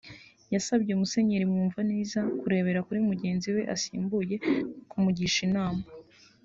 yasabye Musenyeri Mwumvaneza kurebera kuri mugenzi we asimbuye no kumugisha inama